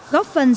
góp phần sản xuất